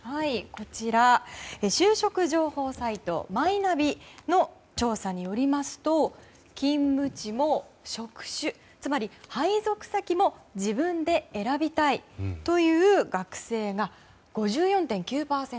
こちら、就職情報サイトマイナビの調査によりますと勤務地も、職種つまり配属先も自分で選びたいという学生が５４．９％。